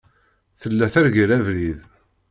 Tella treggel abrid.